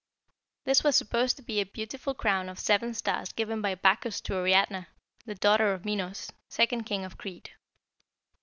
"This was supposed to be a beautiful crown of seven stars given by Bacchus to Ariadne, the daughter of Minos, second king of Crete.